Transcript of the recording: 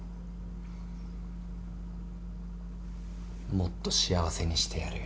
もっと幸せにしてやるよ。